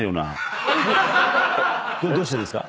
どうしてですか？